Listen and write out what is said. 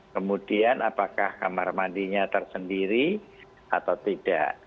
kemudian apakah kamar mandinya tersendiri atau tidak